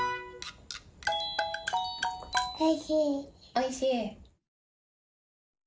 おいしい。